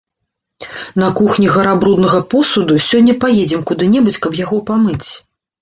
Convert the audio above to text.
На кухні гара бруднага посуду, сёння паедзем куды-небудзь, каб яго памыць.